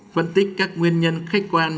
phân tích các nguyên nhân khách quan